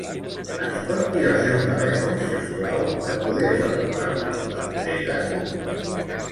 Ens pot dir el seu telèfon, si us plau, per poder efectuar-li l'entrega?